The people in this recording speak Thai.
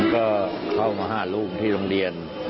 ก็เข้ามาหาลูกที่โรงเรียน